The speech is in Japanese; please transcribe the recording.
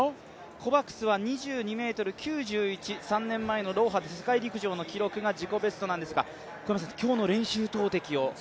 コバクスは２２ｍ９１、３年前のドーハの世界陸上の記録が自己ベストなんですが、今日の練習投てきを見て？